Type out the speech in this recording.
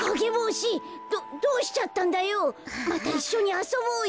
またいっしょにあそぼうよ。